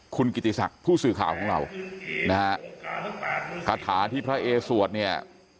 คุณกิติศักดิ์ผู้สื่อข่าวของเรานะฮะคาถาที่พระเอสวดเนี่ย